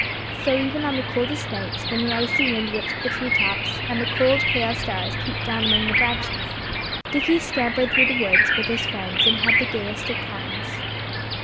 So even on the coldest nights, when the icy wind whipped the tree tops, and the cold, pale stars peeped down among the branches, Dickie scampered through the woods with his friends and had the gayest of times.